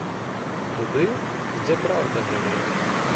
Туды, дзе праўда жыве!